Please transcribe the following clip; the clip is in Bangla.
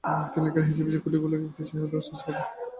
তিনি লেখার হিজিবিজি কাটাকুটিগুলিকে একটি চেহারা দেওয়ার চেষ্টা করতেন।